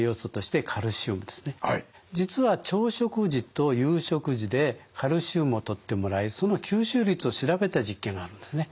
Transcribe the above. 実は朝食時と夕食時でカルシウムをとってもらいその吸収率を調べた実験があるんですね。